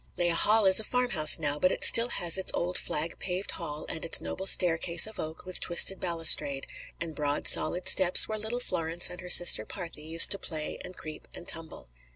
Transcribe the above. Lea Hall is a farmhouse now, but it still has its old flag paved hall and its noble staircase of oak with twisted balustrade, and broad solid steps where little Florence and her sister "Parthe" used to play and creep and tumble.